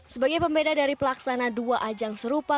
sebagai pembeda dari pelaksana dua ajang serupa